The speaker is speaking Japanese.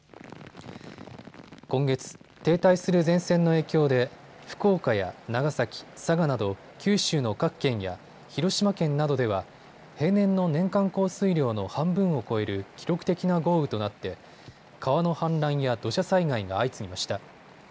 今月、停滞する前線の影響で福岡や長崎、佐賀など九州の各県や広島県などでは平年の年間降水量の半分を超える記録的な豪雨となって川の氾濫や土砂災害が相次ぎました。